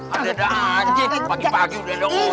ada adaan jek pagi pagi udah ada ngocet